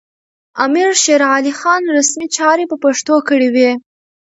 امیر شېرعلي خان رسمي چارې په پښتو کړې وې.